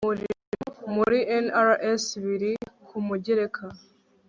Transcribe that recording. umurimo muri NRS biri ku mugereka